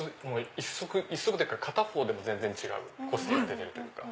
一足というか片方でも全然違う個性が出てるというか。